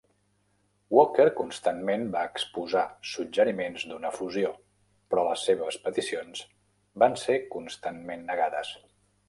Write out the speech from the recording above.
Walker constantment va exposar suggeriments d'una fusió, però les seves peticions van ser constantment negades.